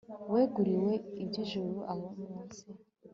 weguriwe iby'ijuru , abo munsi